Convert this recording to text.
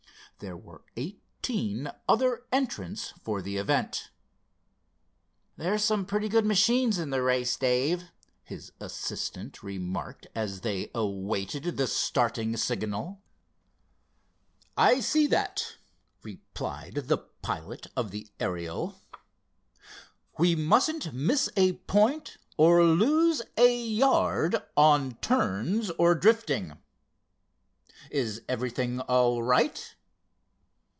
There were eighteen other entrants for the event. "There're some pretty good machines in the race, Dave," his assistant remarked as they awaited the starting signal. "I see that," replied the pilot of the Ariel. "We mustn't miss a point, or lose a yard, on turns or drifting. Is everything all right?"